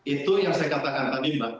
itu yang saya katakan tadi mbak